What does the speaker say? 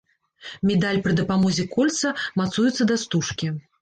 Медаль пры дапамозе кольца мацуецца да стужкі.